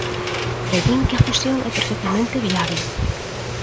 E din que a fusión é perfectamente viable.